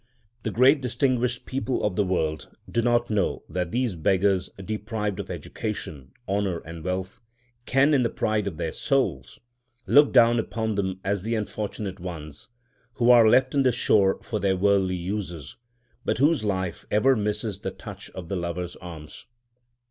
The great distinguished people of the world do not know that these beggars—deprived of education, honour, and wealth—can, in the pride of their souls, look down upon them as the unfortunate ones, who are left on the shore for their worldly uses, but whose life ever misses the touch of the Lover's arms.